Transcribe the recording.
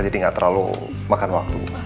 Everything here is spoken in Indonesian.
jadi gak terlalu makan waktu